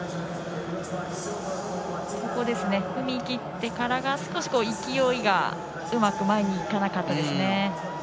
踏み切ってからが少し勢いがうまく前にいかなかったですね。